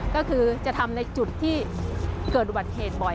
ก็คือจะทำในจุดที่เกิดอุบัติเหตุบ่อย